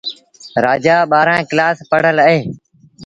رآجآ ٻآهرآݩ ڪلآس پڙهل اهي۔